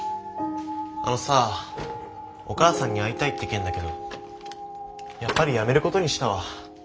あのさお母さんに会いたいって件だけどやっぱりやめることにしたわ。